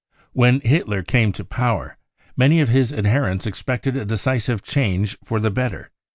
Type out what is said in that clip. When Hitler came to power, many of ; his adherents expected a decisive change for the better.